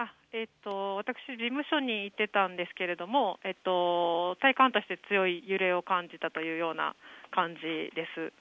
私、事務所にいたんですが体感として強い揺れを感じたというような感じです。